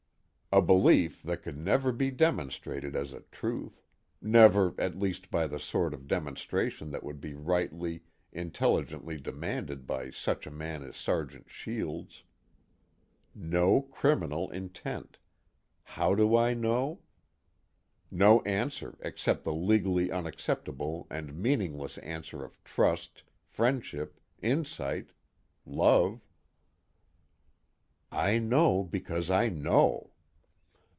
_ A belief that could never be demonstrated as a truth; never at least by the sort of demonstration that would be rightly, intelligently demanded by such a man as Sergeant Shields. No criminal intent: how do I know? No answer except the legally unacceptable and meaningless answer of trust, friendship, insight, love: _I know because I know.